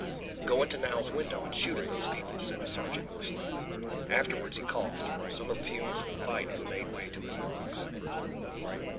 "Go in to Knowles' window and shoot at those people," said the sergeant hoarsely. Afterwards he coughed. Some of the fumes of the fight had made way to his lungs.